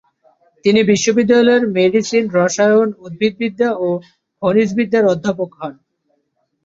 তিনি বিশ্ববিদ্যালয়ের মেডিসিন, রসায়ন, উদ্ভিদবিদ্যা ও খনিজবিদ্যার অধ্যাপক হন।